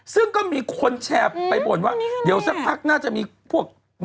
ซึ่งก็มีคนแชร์ไปบ่นว่าเดี๋ยวสักพักน่าจะมีพวก